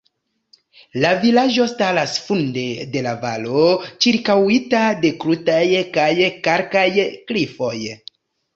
La vilaĝo staras funde de la valo ĉirkaŭita de krutaj kaj kalkaj klifoj.